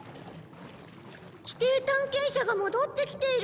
地底探検車が戻ってきている。